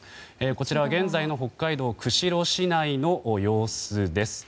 こちらは現在の北海道釧路市内の様子です。